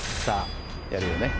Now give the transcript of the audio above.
やるよね？